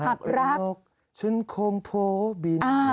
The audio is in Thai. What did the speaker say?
หากรักฉันคงโพบิน